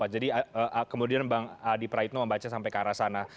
jadi kemudian bang adi praetno membaca sampai ke arah sana